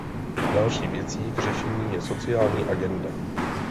Další věcí k řešení je sociální agenda.